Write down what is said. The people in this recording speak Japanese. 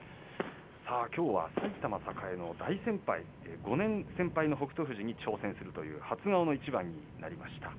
きょうは埼玉栄の大先輩、５年先輩の北勝富士に挑戦するという初顔の一番になりました。